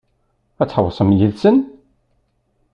Ad tḥewwsem yid-sen?